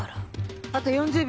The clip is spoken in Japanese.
あと４０秒。